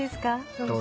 どうぞ。